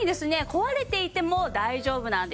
壊れていても大丈夫なんです。